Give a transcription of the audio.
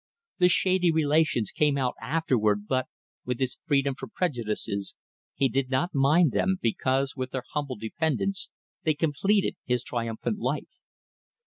The shady relations came out afterward, but with his freedom from prejudices he did not mind them, because, with their humble dependence, they completed his triumphant life.